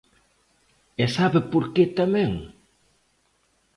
¿E sabe por que tamén?